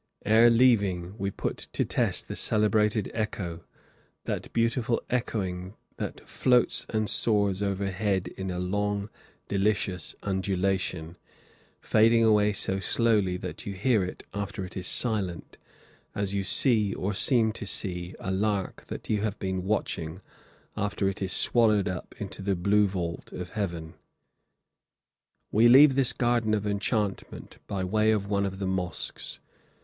Ere leaving we put to test the celebrated echo; that beautiful echoing, that "floats and soars overhead in a long, delicious undulation, fading away so slowly that you hear it after it is silent, as you see, or seem to see, a lark you have been watching, after it is swallowed up in the blue vault of heaven." We leave this garden of enchantment by way of one of the mosques.